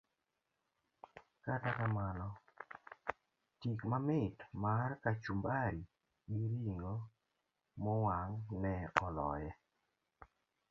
Kata kamano, tik mamit mar kachumbari gi ring'o mowang' ne oloye.